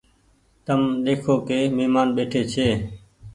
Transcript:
تو ۮيکو ڪي مهمآن ٻيٺي ڇي۔